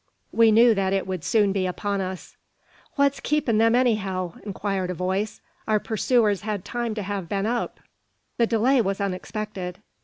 We knew that it would soon be upon us. "What's keepin' them anyhow?" inquired a voice. Our pursuers had time to have been up. The delay was unexpected.